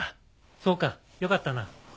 そうかよかったな。